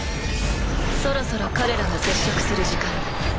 そろそろ彼らが接触する時間だ。